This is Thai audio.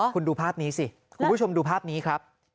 คุณดูภาพนี้สิคุณผู้ชมดูภาพนี้ครับ